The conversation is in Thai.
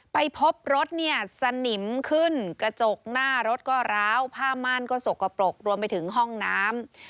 ไปพบรถเนี่ยสนิมขึ้นกระจกหน้ารถก็ร้าวผ้าม่านก็สกปรกรวมไปถึงห้องน้ำ